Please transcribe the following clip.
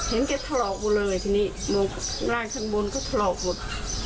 เห็นจะทหลอกว่ะเลยทีนี้มูกน้ำทางบนก็ทหลอกหมด